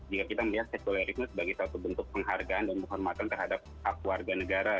jika kita melihat sekulerisme sebagai bentuk penghargaan dan penghormatan terhadap hak warga negara